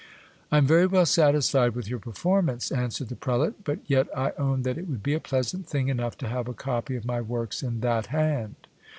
I am very well satisfied with your performance, answered the prelate, but yet I own that it would be a pleasant thing enough to have a copy of my works in that hand.